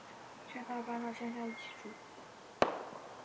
劝他搬到乡下一起住